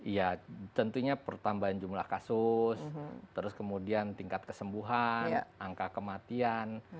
ya tentunya pertambahan jumlah kasus terus kemudian tingkat kesembuhan angka kematian